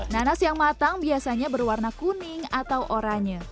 nanas yang matang biasanya berwarna kuning atau oranye